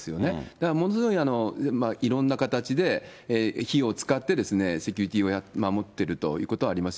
だからものすごい、いろんな形で費用を使って、セキュリティを守ってるということはあります。